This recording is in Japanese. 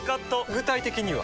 具体的には？